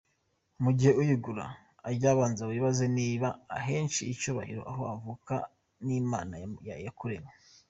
Mu gihe uyigura, ujye ubanza wibaze niba ihesha icyubahiro aho uvuka n’Imana yakuremye.